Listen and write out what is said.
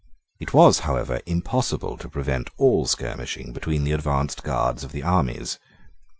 It was, however, impossible to prevent all skirmishing between the advanced guards of the armies.